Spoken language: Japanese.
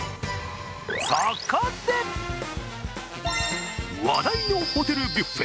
そこで、話題のホテルビュッフェ